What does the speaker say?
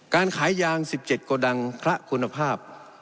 การขายยาง๑๗โกดังคละคุณภาพ